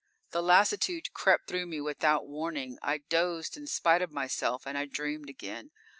_ _The lassitude crept through me without warning; I dozed in spite of myself. And I dreamed again.